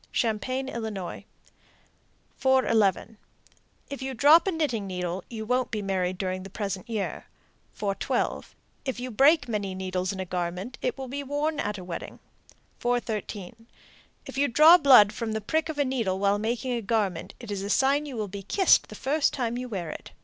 Champaign, Ill. 411. If you drop a knitting needle, you won't be married during the present year. 412. If you break many needles in a garment, it will be worn at a wedding. 413. If you draw blood from a prick of the needle while making a garment, it is a sign you will be kissed the first time you wear it.